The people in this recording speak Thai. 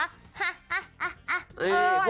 ฮ่าฮ่าฮ่าฮ่า